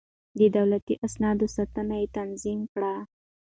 د دولتي اسنادو ساتنه يې تنظيم کړه.